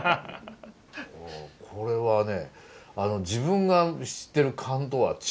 これはね